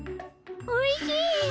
おいしい！